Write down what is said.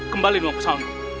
kembali uang pesangon